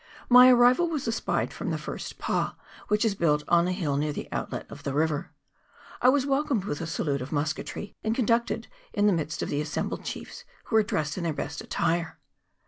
My arrival was espied from the first pa, which is built on a hill near the outlet of the river. I was welcomed with a salute of musketry, and conducted in the midst of the assembled chiefs, who were dressed in their best attire.